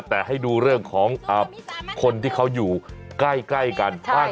แต่ให้ดูเรื่องของคนที่เขาอยู่ใกล้กันบ้าง